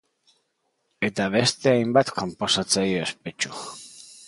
Eta beste hainbat konposatzaile ospetsu.